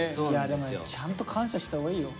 でもちゃんと感謝したほうがいいよ。